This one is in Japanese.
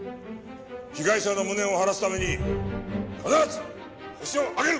被害者の無念を晴らすために必ずホシを挙げる！